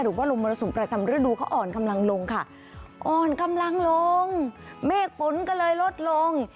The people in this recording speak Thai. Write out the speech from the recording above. หรือว่าลมมรสุมประจำฤดูเขาอ่อนกำลังลงค่ะอ่อนกำลังลงเมฆฝนก็เลยลดลง